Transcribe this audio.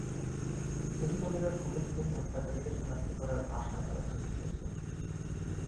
CC ক্যামেরার footage দেখে হত্যাকারীদের শনাক্ত করার আশা তাঁরা ছেড়ে দিয়েছেন।